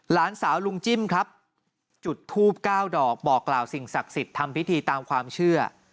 หลานสาวลุงจิ้มครับจุดทูบ๙ดอกบอกกล่าวสิ่งศักดิ์สิทธิ์ทำพิธีตามความเชื่อ